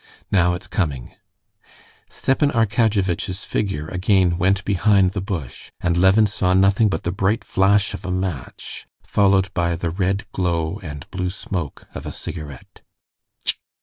"Now it's coming!" Stepan Arkadyevitch's figure again went behind the bush, and Levin saw nothing but the bright flash of a match, followed by the red glow and blue smoke of a cigarette.